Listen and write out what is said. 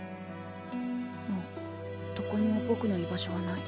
もうどこにもぼくの居場所はない。